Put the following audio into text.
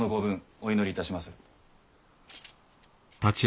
お祈りいたしまする。